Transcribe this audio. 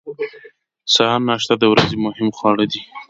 د سهار ناشته د ورځې مهم خواړه دي.